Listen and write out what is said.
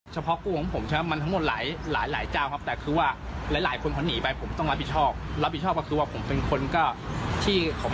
เขามาทำร้ายกับกำลังรู้จักกันมาก่อน